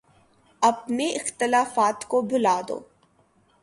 اپنے اختلافات کو بھلا دو۔